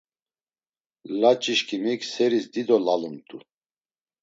Laç̌i şkimik seris dido lalumt̆u.